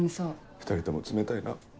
２人とも冷たいなぁ。